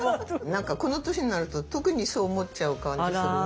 なんかこの年になると特にそう思っちゃう感じするね。